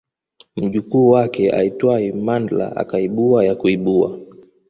Mjukuu wake aitwaye Mandla akaibua ya kuibua